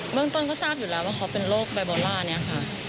เมืองต้นก็ทราบอยู่แล้วว่าเขาเป็นโรคไบโบล่านี้ค่ะ